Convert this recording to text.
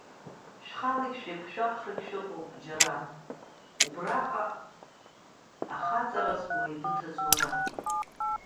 Шәхала шәеиқәшәахрагьы шәыҟоуп џьара, убраҟа ахаҵараз уеибыҭаз уара!